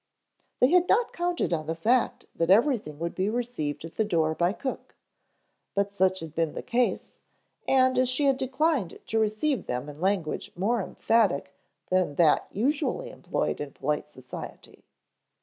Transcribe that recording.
They had not counted on the fact that everything would be received at the door by cook, but such had been the case, and she had declined to receive them in language more emphatic than that usually employed in polite society.